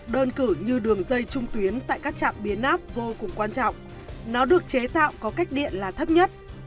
đơn cử như đường dây trung tuyến tại các trạm biến áp vô cùng quan trọng nó được chế tạo có cách điện là thấp nhất